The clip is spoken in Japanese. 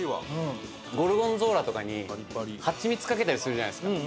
ゴルゴンゾーラとかにハチミツかけたりするじゃないですか。